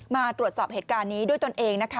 มาตรวจสอบเหตุการณ์นี้ด้วยตนเองนะคะ